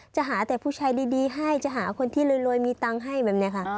จะหาแต่ผู้ชายดีให้จะหาคนที่รวยมีตังค์ให้แบบนี้ค่ะ